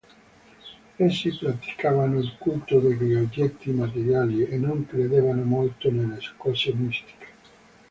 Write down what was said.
Essi praticavano il culto degli oggetti materiali e non credevano molto nelle cose mistiche.